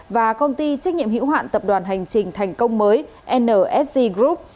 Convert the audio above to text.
và công ty trách nhiệm hữu hoạn tập đoàn hành trình thành công mới nsg group